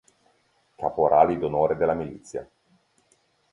Caporali d'Onore della Milizia